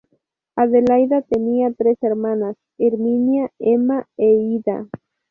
Adelaida tenía tres hermanas: Herminia, Emma, e Ida.